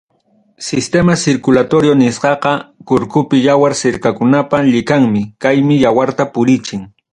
Sistema circulatorio nisqaqa kurkupi yawar sirkakunapa llikanmi, kaymi yawarta purichin.